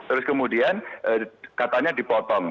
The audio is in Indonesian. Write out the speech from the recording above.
terus kemudian katanya dipotong